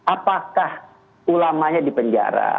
apakah ulamanya dipenjara